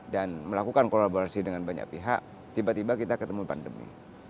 dan melakukan kolaborasi dengan banyak pihak tiba tiba kita ketemu pandemi